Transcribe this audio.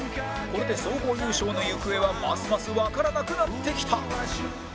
これで総合優勝の行方はますますわからなくなってきた